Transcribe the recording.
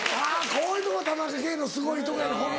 こういうとこ田中圭のすごいとこやで。